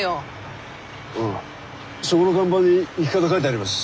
ああそこの看板に行き方書いてあります。